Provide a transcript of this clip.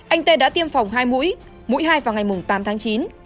anh tê đã tiêm phòng hai mũi mũi hai vào ngày tám tháng chín